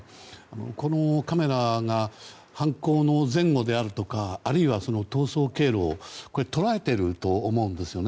このカメラが犯行の前後であるとかあるいは逃走経路を捉えていると思うんですよね。